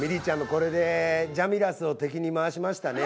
これでジャミラスを敵に回しましたね。